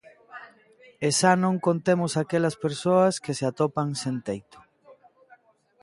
E xa non contemos aquelas persoas que se atopan sen teito.